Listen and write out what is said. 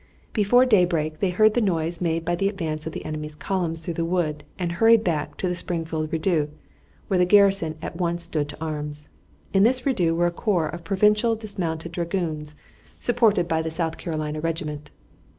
Before daybreak they heard the noise made by the advance of the enemy's columns through the wood and hurried back to the Springfield redoubt, where the garrison at once stood to arms. In this redoubt were a corps of provincial dismounted dragoons, supported by the South Carolina regiment.